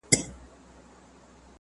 قصاص د وحشت پر ځای عدل دی.